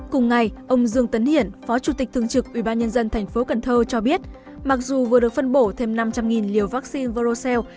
cùng ngày ông dương tấn hiển phó chủ tịch thương trực ubnd tp cn cho biết mặc dù vừa được phân bổ thêm năm trăm linh liều vaccine verocell